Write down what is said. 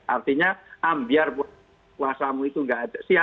artinya biar puasamu itu nggak ada